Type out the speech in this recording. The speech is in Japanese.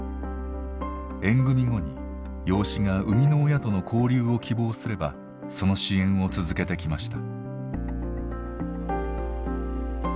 縁組後に養子が生みの親との交流を希望すればその支援を続けてきました。